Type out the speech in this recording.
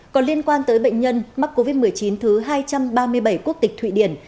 còn liên quan tới bệnh nhân mắc covid một mươi chín thứ hai trăm ba mươi bảy quốc tịch thụy điển